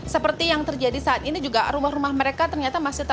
seperti yang terjadi saat ini juga rumah rumah mereka ternyata masih tetap